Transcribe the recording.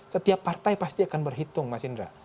setiap partai pasti akan berhitung mas indra